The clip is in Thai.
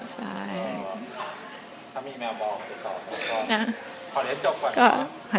ถ้ามีแมวบอกติดต่อก็ขอเรียนจบก่อนค่ะ